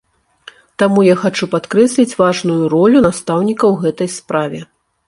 Таму я хачу падкрэсліць важную ролю настаўніка ў гэтай справе.